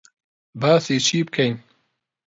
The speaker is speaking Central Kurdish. باسی چی بکەین؟